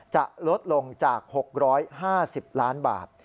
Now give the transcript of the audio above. จะลดลงจาก๖๕๐ล้านบาท